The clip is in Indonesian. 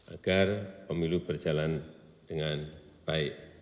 agar pemilu berjalan dengan baik